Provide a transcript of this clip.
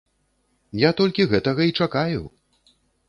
Я толькі гэтага і чакаю!